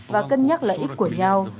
và cân nhắc lợi ích của nhau